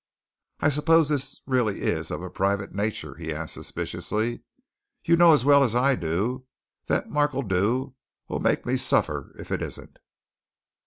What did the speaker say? "I suppose this really is of a private nature?" he asked suspiciously. "You know as well as I do that Mr. Markledew'll make me suffer if it isn't."